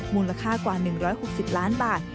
มูลค่ากว่า๑๖๐ล้านบาท